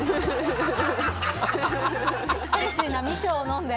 ヘルシーな美酢を飲んで。